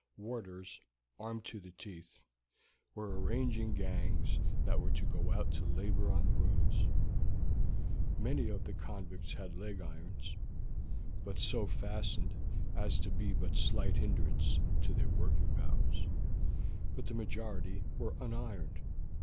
Warders armed to the teeth were arranging gangs that were to go out to labor on the roads. Many of the convicts had leg irons, but so fastened as to be but slight hindrance to their working powers, but the majority were unironed.